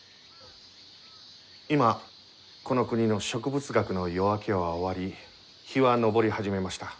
今この国の植物学の夜明けは終わり日は昇り始めました。